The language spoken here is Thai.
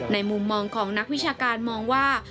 มุมมองของนักวิชาการมองว่า